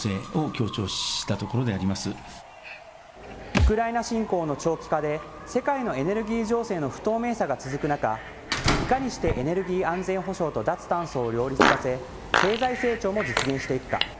ウクライナ侵攻の長期化で、世界のエネルギー情勢の不透明さが続く中、いかにしてエネルギー安全保障と脱炭素を両立させ、経済成長も実現していくか。